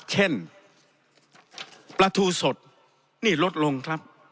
เช่นปลาทูสดนี่ลดลงครับ